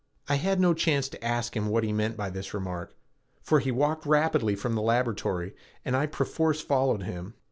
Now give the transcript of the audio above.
I had no chance to ask him what he meant by this remark, for he walked rapidly from the laboratory and I perforce followed him.